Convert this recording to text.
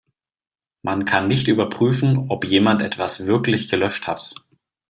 Man kann nicht überprüfen, ob jemand etwas wirklich gelöscht hat.